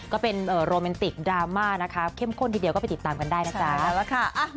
ก็เป็นโรแมนติกดราม่านะคะเข้มข้นทีเดียวก็ไปติดตามกันได้นะจ๊ะ